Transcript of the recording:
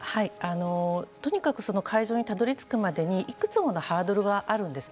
とにかく会場にたどりつくまでにいくつものハードルがあるんです。